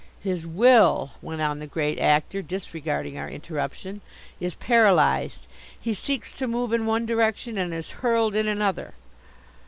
"His will," went on the Great Actor, disregarding our interruption, "is paralysed. He seeks to move in one direction and is hurled in another.